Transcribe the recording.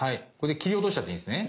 切り落としちゃっていいんですね？